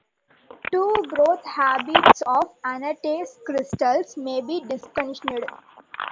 Two growth habits of anatase crystals may be distinguished.